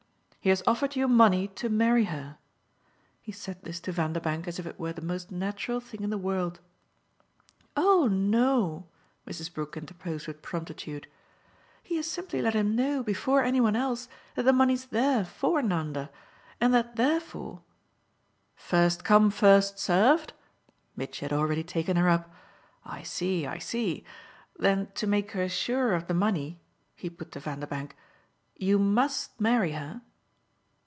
"He has offered you money to marry her." He said this to Vanderbank as if it were the most natural thing in the world. "Oh NO" Mrs. Brook interposed with promptitude: "he has simply let him know before any one else that the money's there FOR Nanda, and that therefore !" "First come first served?" Mitchy had already taken her up. "I see, I see. Then to make her sure of the money," he put to Vanderbank, "you MUST marry her?"